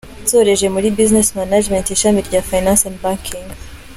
Nsoreje muri Business Management ishami rya Finance and Banking.